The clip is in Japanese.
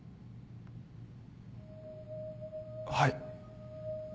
はい。